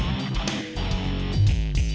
terima kasih chandra